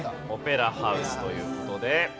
オペラハウスという事で。